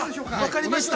◆わかりました。